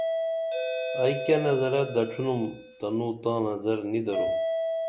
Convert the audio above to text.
ائی کیہ نظرہ دڇِھنُم تنوں تاں نظر نی درو